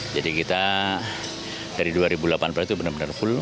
jadi kita dari dua ribu delapan belas itu benar benar full